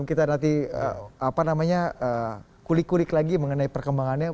kita nanti kulik kulik lagi mengenai perkembangannya